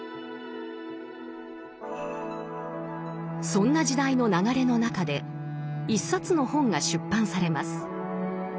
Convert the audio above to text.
そんな時代の流れの中で一冊の本が出版されます。